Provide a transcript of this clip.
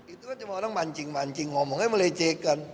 itu kan cuma orang mancing mancing ngomongnya melecehkan